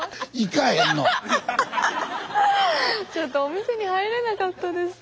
ちょっとお店に入れなかったです。